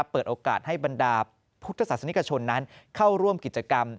เปิดโอกาสให้บรรดาพุทธศาสนิกชนนั้นเข้าร่วมกิจกรรม